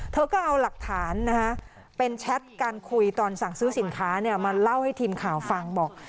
เธอก็เอาหลักฐานนะฮะเป็นแชทการคุยตอนสั่งซื้อสินค้ามาเล่าให้ทีมข่าวฟังบอก